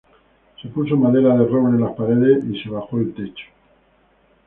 Se puso madera de roble en las paredes y se bajó el techo.